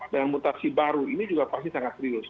dan mutasi baru ini juga pasti sangat serius